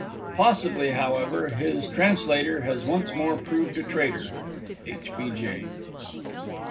Possibly, however, his Translator has once more proved a Traitor! H. B. J.